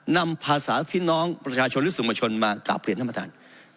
นำภาษาพี่น้องประชาชนหรือสุมชนมากราบเปลี่ยนน่ะมาทาน